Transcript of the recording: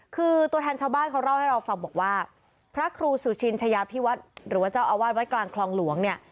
คือตัวแทนชาวบ้านเขาเล่าให้เราฟังบอกว่าพระครูสุชินชายาพิวัฒน์หรือว่าเจ้าอาวาสวัดกลางคลองหลวงเนี่ย